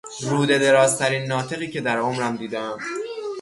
روده دراز ترین ناطقی که در عمرم دیدهام